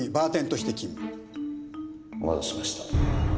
お待たせしました。